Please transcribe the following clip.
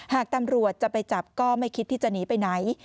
หากตำรวจจะไปจับก็ไม่คิดที่จะหนีไปไหน